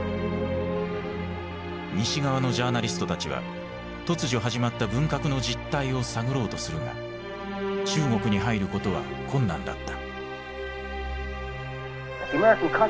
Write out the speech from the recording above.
西側のジャーナリストたちは突如始まった文革の実態を探ろうとするが中国に入ることは困難だった。